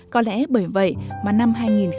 có lẽ bởi vậy mà năm hai nghìn một mươi tám